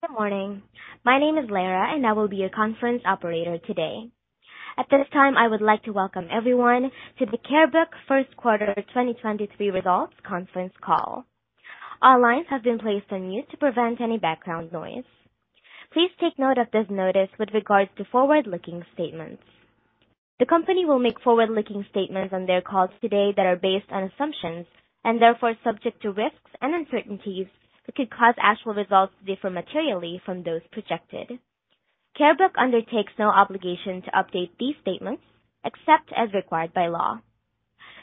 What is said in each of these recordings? Good morning. My name is Lara, and I will be your conference operator today. At this time, I would like to welcome everyone to the Carebook First Quarter 2023 Results Conference Call. All lines have been placed on mute to prevent any background noise. Please take note of this notice with regards to forward-looking statements. The company will make forward-looking statements on their calls today that are based on assumptions, and therefore subject to risks and uncertainties that could cause actual results to differ materially from those projected. Carebook undertakes no obligation to update these statements except as required by law.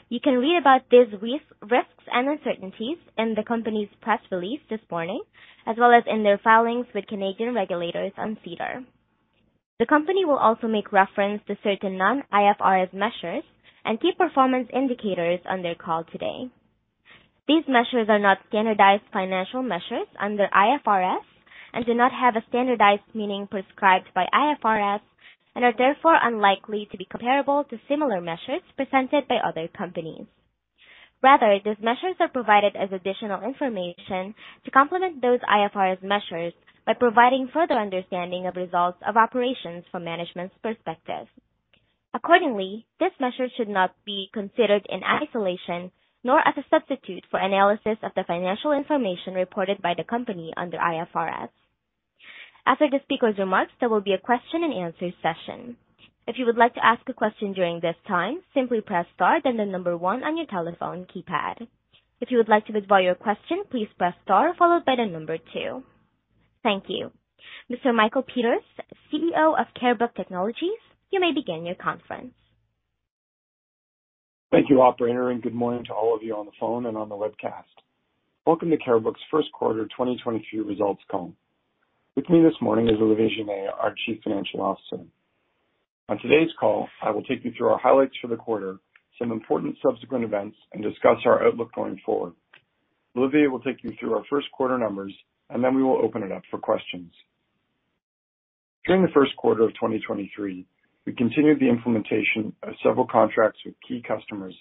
You can read about these risks and uncertainties in the company's press release this morning, as well as in their filings with Canadian regulators on SEDAR. The company will also make reference to certain non-IFRS measures and key performance indicators on their call today. These measures are not standardized financial measures under IFRS and do not have a standardized meaning prescribed by IFRS and are therefore unlikely to be comparable to similar measures presented by other companies. Rather, those measures are provided as additional information to complement those IFRS measures by providing further understanding of results of operations from management's perspective. Accordingly, this measure should not be considered in isolation, nor as a substitute for analysis of the financial information reported by the company under IFRS. After the speakers' remarks, there will be a question and-answer-session. If you'd like to ask a question during thus time simply press star then number one on your telephone keypad. If you'd like to withdraw your question please press star followed by number two. Mr. Michael Peters, CEO of Carebook Technologies, you may begin your conference. Thank you, operator, and good morning to all of you on the phone and on the webcast. Welcome to Carebook's first quarter 2023 results call. With me this morning is Olivier Giner, our Chief Financial Officer. On today's call, I will take you through our highlights for the quarter, some important subsequent events, and discuss our outlook going forward. Olivier will take you through our first quarter numbers, and then we will open it up for questions. During the first quarter of 2023, we continued the implementation of several contracts with key customers,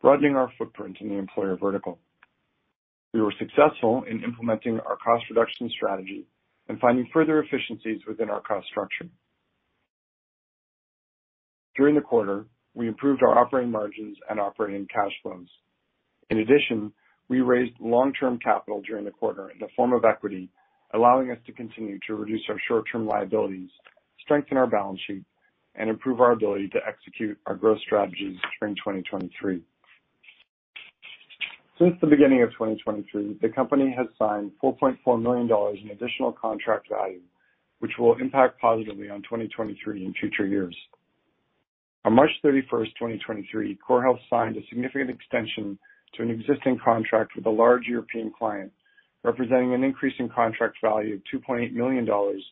broadening our footprint in the employer vertical. We were successful in implementing our cost reduction strategy and finding further efficiencies within our cost structure. During the quarter, we improved our operating margins and operating cash flows. In addition, we raised long-term capital during the quarter in the form of equity, allowing us to continue to reduce our short-term liabilities, strengthen our balance sheet, and improve our ability to execute our growth strategies during 2023. Since the beginning of 2023, the company has signed 4.4 million dollars in additional contract value, which will impact positively on 2023 and future years. On March 31, 2023, CoreHealth signed a significant extension to an existing contract with a large European client, representing an increase in contract value of 2.8 million dollars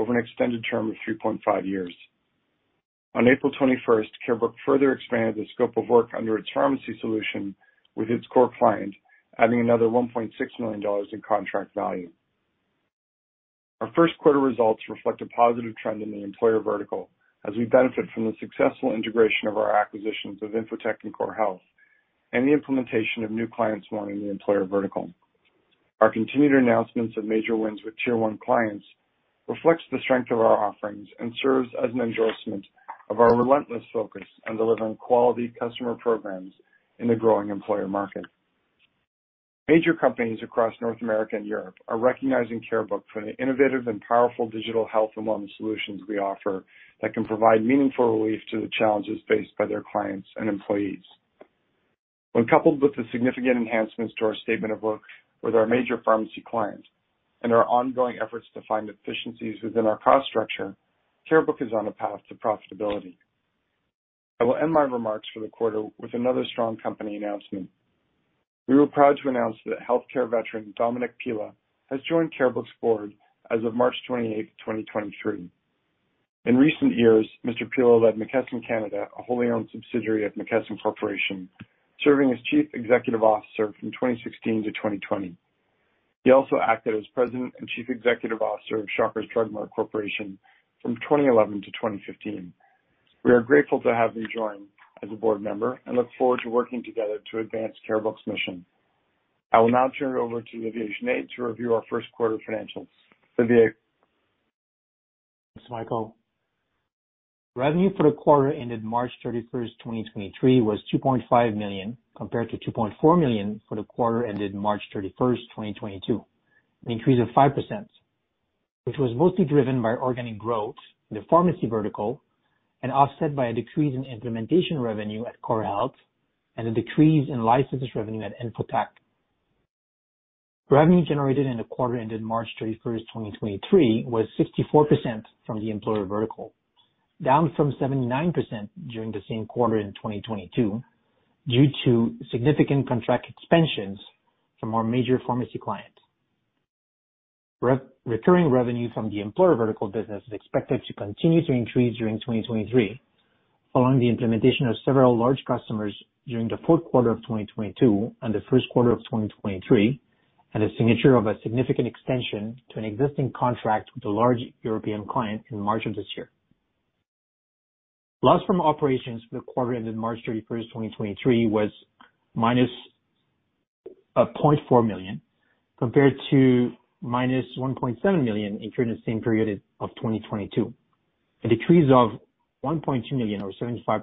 over an extended term of 3.5 years. On April 21, Carebook further expanded the scope of work under its pharmacy solution with its core client, adding another 1.6 million dollars in contract value. Our first quarter results reflect a positive trend in the employer vertical as we benefit from the successful integration of our acquisitions of InfoTech and CoreHealth and the implementation of new clients wanting the employer vertical. Our continued announcements of major wins with Tier 1 clients reflects the strength of our offerings and serves as an endorsement of our relentless focus on delivering quality customer programs in the growing employer market. Major companies across North America and Europe are recognizing Carebook for the innovative and powerful digital health and wellness solutions we offer that can provide meaningful relief to the challenges faced by their clients and employees. When coupled with the significant enhancements to our statement of work with our major pharmacy client and our ongoing efforts to find efficiencies within our cost structure, Carebook is on a path to profitability. I will end my remarks for the quarter with another strong company announcement. We were proud to announce that healthcare veteran Domenic Pilla has joined Carebook's board as of March 28, 2023. In recent years, Mr. Pilla led McKesson Canada, a wholly owned subsidiary of McKesson Corporation, serving as Chief Executive Officer from 2016-2020. He also acted as President and Chief Executive Officer of Shoppers Drug Mart Corporation from 2011-2015. We are grateful to have him join as a board member and look forward to working together to advance Carebook's mission. I will now turn it over to Olivier Giner to review our first quarter financials. Olivier. Thanks, Michael. Revenue for the quarter ended March 31, 2023, was 2.5 million, compared to 2.4 million for the quarter ended March 31, 2022, an increase of 5%, which was mostly driven by organic growth in the pharmacy vertical and offset by a decrease in implementation revenue at CoreHealth and a decrease in licenses revenue at InfoTech. Revenue generated in the quarter ended March 31, 2023, was 64% from the employer vertical, down from 79% during the same quarter in 2022 due to significant contract expansions from our major pharmacy client. Recurring revenue from the employer vertical business is expected to continue to increase during 2023, following the implementation of several large customers during the fourth quarter of 2022 and the first quarter of 2023, and the signature of a significant extension to an existing contract with a large European client in March of this year. Loss from operations for the quarter ended March 31, 2023, was minus 0.4 million, compared to minus 1.7 million incurred in the same period of 2022, a decrease of 1.2 million or 75%.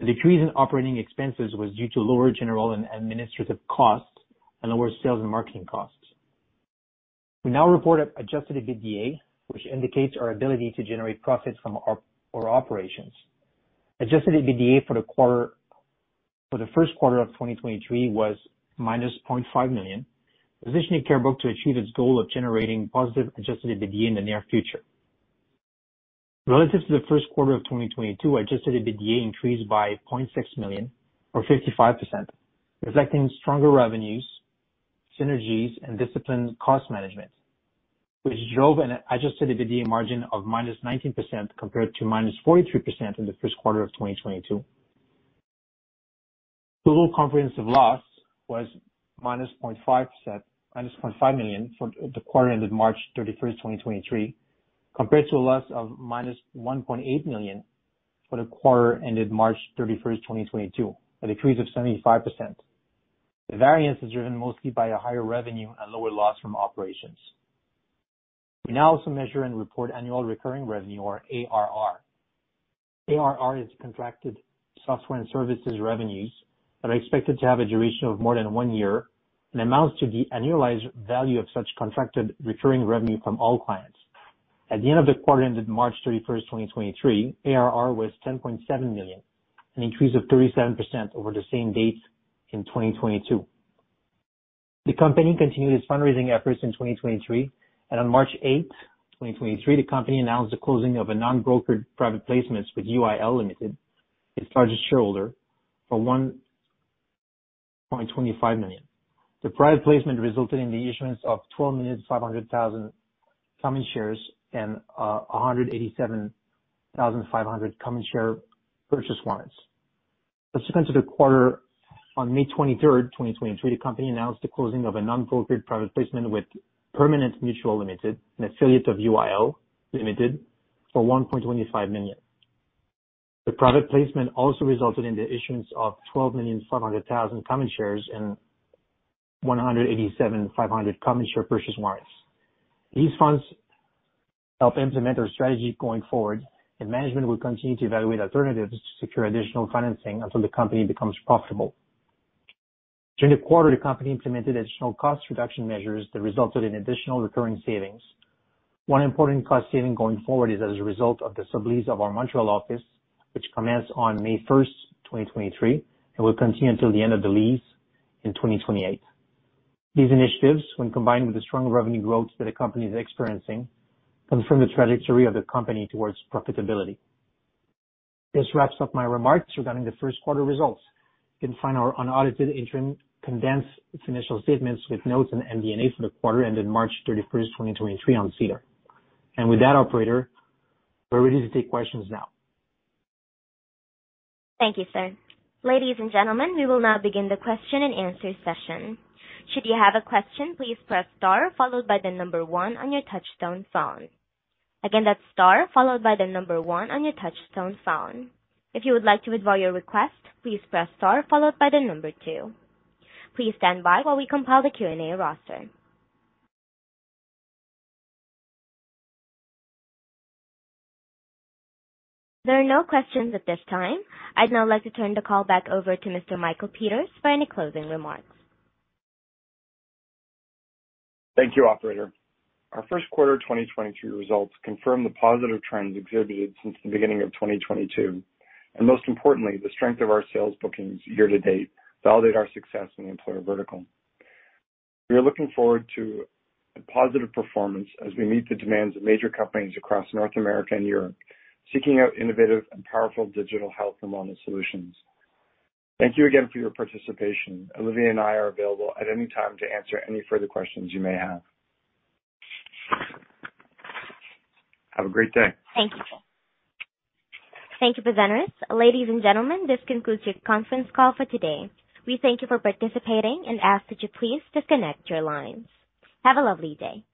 The decrease in operating expenses was due to lower general and administrative costs and lower sales and marketing costs. We now report adjusted EBITDA, which indicates our ability to generate profits from our operations. Adjusted EBITDA for the first quarter of 2023 was -0.5 million, positioning Carebook to achieve its goal of generating positive adjusted EBITDA in the near future. Relative to the first quarter of 2022, adjusted EBITDA increased by 0.6 million or 55%, reflecting stronger revenues, synergies, and disciplined cost management, which drove an adjusted EBITDA margin of -19%, compared to -43% in the first quarter of 2022. Total comprehensive loss was -0.5 million for the quarter ended March 31, 2023, compared to a loss of -1.8 million for the quarter ended March 31, 2022, a decrease of 75%. The variance is driven mostly by a higher revenue and lower loss from operations. We now also measure and report annual recurring revenue or ARR. ARR is contracted software and services revenues that are expected to have a duration of more than one year and amounts to the annualized value of such contracted recurring revenue from all clients. At the end of the quarter ended March 31, 2023, ARR was 10.7 million, an increase of 37% over the same date in 2022. The company continued its fundraising efforts in 2023, and on March 8, 2023, the company announced the closing of a non-brokered private placement with UIL Limited, its largest shareholder, for 1.25 million. The private placement resulted in the issuance of 12,500,000 common shares and 187,500 common share purchase warrants. Subsequent to the quarter, on May 23, 2023, the company announced the closing of a non-brokered private placement with Permanent Mutual Limited, an affiliate of UIL Limited, for 1.25 million. The private placement also resulted in the issuance of 12,500,000 common shares and 187,500 common share purchase warrants. These funds help implement our strategy going forward, and management will continue to evaluate alternatives to secure additional financing until the company becomes profitable. During the quarter, the company implemented additional cost reduction measures that resulted in additional recurring savings. One important cost saving going forward is as a result of the sublease of our Montreal office, which commenced on May 1, 2023, and will continue until the end of the lease in 2028. These initiatives, when combined with the strong revenue growth that a company is experiencing, confirm the trajectory of the company towards profitability. This wraps up my remarks regarding the first quarter results. You can find our unaudited interim condensed financial statements with notes and MD&A for the quarter ended March 31, 2023, on SEDAR. With that operator, we're ready to take questions now. Thank you, sir. Ladies and gentlemen, we will now begin the question-and-answer session. Should you have a question, please press star followed by the number one on your touchtone phone. Again, that's star followed by the number one on your touchtone phone. If you would like to withdraw your request, please press star followed by the number two. Please stand by while we compile the Q&A roster. There are no questions at this time. I'd now like to turn the call back over to Mr. Michael Peters for any closing remarks. Thank you, operator. Our first quarter 2023 results confirm the positive trends exhibited since the beginning of 2022. Most importantly, the strength of our sales bookings year to date validate our success in the employer vertical. We are looking forward to a positive performance as we meet the demands of major companies across North America and Europe, seeking out innovative and powerful digital health and wellness solutions. Thank you again for your participation. Olivier and I are available at any time to answer any further questions you may have. Have a great day. Thank you. Thank you, presenters. Ladies and gentlemen, this concludes your conference call for today. We thank you for participating and ask that you please disconnect your lines. Have a lovely day.